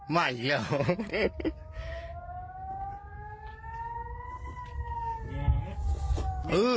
หาอัโหลลี่เด้อ